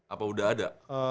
apa udah ada